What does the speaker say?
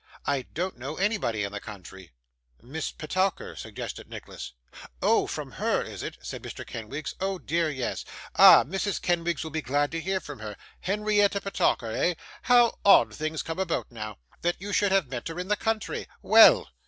I don't know anybody in the country.' 'Miss Petowker,' suggested Nicholas. 'Oh! from her, is it?' said Mr. Kenwigs. 'Oh dear, yes. Ah! Mrs. Kenwigs will be glad to hear from her. Henrietta Petowker, eh? How odd things come about, now! That you should have met her in the country! Well!